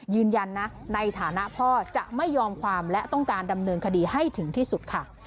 ยืนยันนะในฐานะพ่อจะไม่ยอมความและต้องการดำเนินคดีให้ถึงที่สุดค่ะ